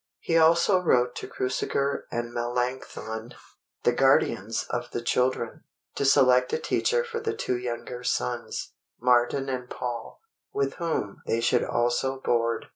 He also wrote to Cruciger and Melanchthon, the guardians of the children, to select a teacher for the two younger sons, Martin and Paul, with whom they should also board.